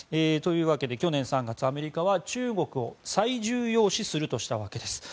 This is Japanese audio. というわけで去年３月アメリカは中国を最重要視するとしたわけです。